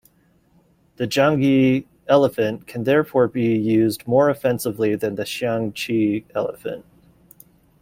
The janggi elephant can therefore be used more offensively than the xiangqi elephant.